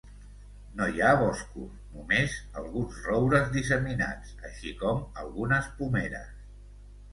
No hi ha boscos, només alguns roures disseminats, així com algunes pomeres.